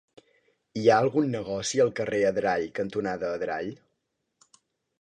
Hi ha algun negoci al carrer Adrall cantonada Adrall?